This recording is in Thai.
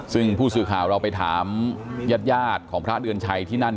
ซึ่งผู้สื่อข่าวเราไปถามญาติของพระเดือนชัยที่นั่น